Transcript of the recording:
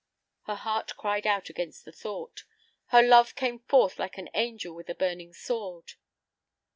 Her heart cried out against the thought. Her love came forth like an angel with a burning sword.